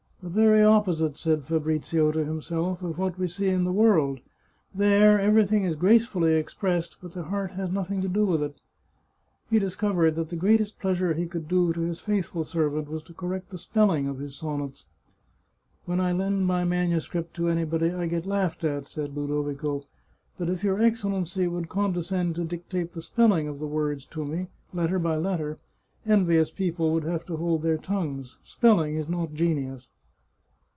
" The very opposite," said Fabrizio to himself, " of what we see in the world. There everything is gracefully expressed, but the heart has nothing to do with it." He discovered that the greatest pleasure he could do to his faithful servant was to correct the spelling of his sonnets. " When I lend my manuscript to anybody I get laughed at," said Ludovico. " But if your Excellency would con descend to dictate the spelling of the words to me, letter by letter, envious people would have to hold their tongues. Spelling is not genius."